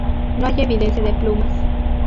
No hay evidencia de plumas.